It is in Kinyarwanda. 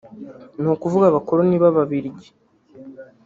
ni ukuvuga abakoloni b’Ababiligi